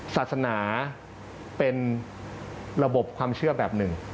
ศาสนาเป็นระบบความเชื่อแบบหนึ่ง